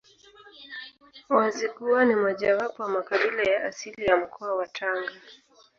Wazigua ni mojawapo wa makabila ya asili ya mkoa wa Tanga